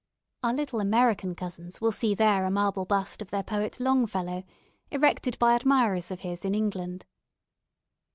Our little American cousins will see there a marble bust of their poet Longfellow, erected by admirers of his in England.